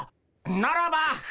ならば。